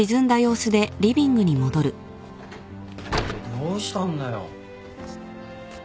どうしたんだよ。